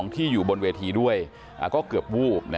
ที่อยู่บนเวทีด้วยก็เกือบวูบ